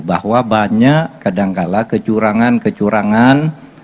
bahwa banyak kadangkala kecurangan kecurangan